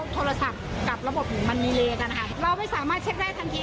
โทรศัพท์กับระบบของมันมีเลสนะคะเราไม่สามารถเช็คได้ทันที